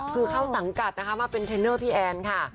คือเข้าสังกัดนะคะมาเป็นเทรนเนอร์พี่แอนค่ะ